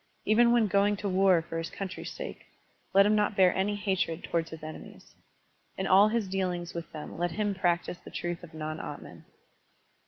Even when going to war for his country's sake, let him not bear any hatred towards his enemies. In all his dealings with them let him practise the truth of non atman.